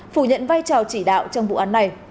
phủ nhận vai trò chỉ đạo trong vụ án này